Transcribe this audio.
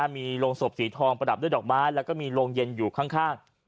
มีโรงศพสีทองประดับด้วยดอกไม้แล้วก็มีโรงเย็นอยู่ข้าง